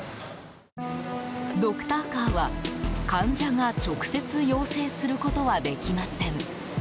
ドクターカーは、患者が直接要請することはできません。